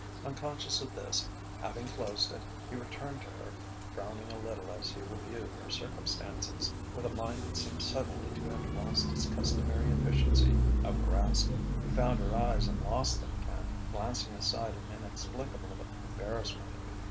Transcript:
Unconscious of this, having closed it, he returned to her, frowning a little as he reviewed her circumstances with a mind that seemed suddenly to have lost its customary efficiency of grasp. He found her eyes and lost them again, glancing aside in inexplicable embarrassment.